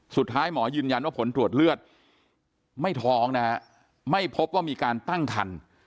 สุดท้ายหมอยืนยันว่าผลตรวจเลือดไม่ท้องนะฮะไม่พบว่ามีการตั้งคัน